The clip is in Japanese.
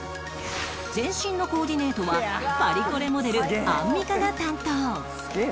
全身のコーディネートはパリコレモデルアンミカが担当